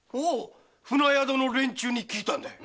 船宿の連中に聞いたんだ。